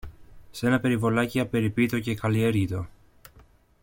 Σ' ένα περιβολάκι απεριποίητο και ακαλλιέργητο